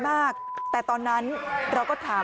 ไม่รู้อะไรกับใคร